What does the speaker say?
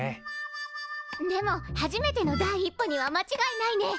でも初めての第一歩にはまちがいないね。